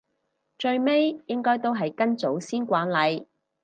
最尾應該都係跟祖先慣例